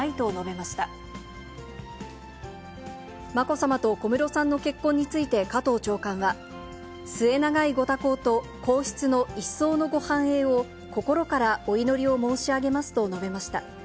まこさまと小室さんの結婚について加藤長官は、末永いご多幸と、皇室の一層のご繁栄を心からお祈りを申し上げますと述べました。